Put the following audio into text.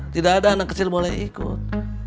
tidak ada anak kecil boleh ikut